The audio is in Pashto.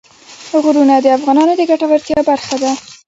غرونه د افغانانو د ګټورتیا برخه ده.